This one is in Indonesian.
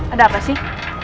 ada apa sih